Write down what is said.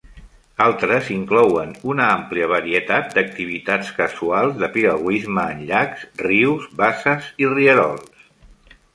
Altres inclouen una amplia varietat d'activitats casuals de piragüisme en llacs, rius, basses i rierols.